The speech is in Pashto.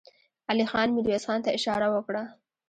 علی خان ميرويس خان ته اشاره وکړه.